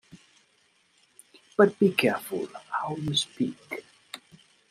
But be careful how you speak